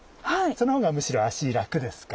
その方がむしろ足楽ですから。